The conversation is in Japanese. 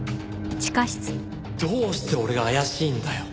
どうして俺が怪しいんだよ！